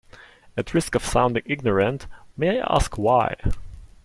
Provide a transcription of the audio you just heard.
At risk of sounding ignorant, may I ask why?